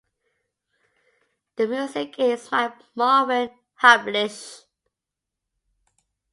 The music is by Marvin Hamlisch.